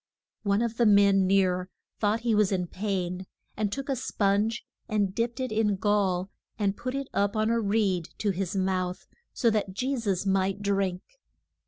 One of the men near thought he was in pain, and he took a sponge and dipped it in the gall, and put it up on a reed to his mouth, so that Je sus might drink.